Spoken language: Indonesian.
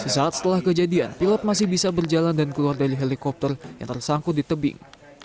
sesaat setelah kejadian pilot masih bisa berjalan dan keluar dari helikopter yang tersangkut di tebing